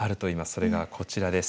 それがこちらです。